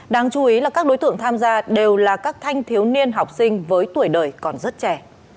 đáng chú ý là các đối tượng tham gia đều là các thanh thiếu niên học sinh với tuổi đời còn rất trẻ